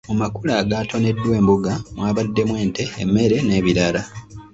Mu makula agaatoneddwa embuga mwabaddemu ente, emmere n'ebirala.